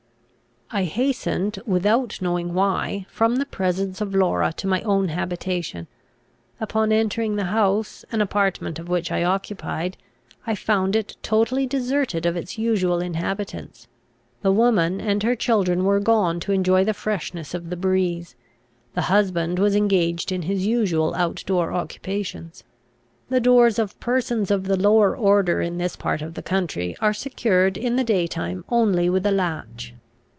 I hastened, without knowing why, from the presence of Laura to my own habitation. Upon entering the house, an apartment of which I occupied, I found it totally deserted of its usual inhabitants. The woman and her children were gone to enjoy the freshness of the breeze. The husband was engaged in his usual out door occupations. The doors of persons of the lower order in this part of the country are secured, in the day time, only with a latch.